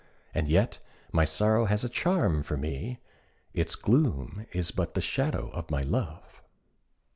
And yet my sorrow has a charm for me, Its gloom is but the shadow of my love.